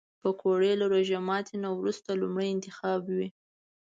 پکورې له روژه ماتي نه وروسته لومړی انتخاب وي